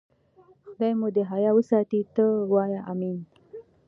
خدای مو دې حیا وساتي، ته وا آمین.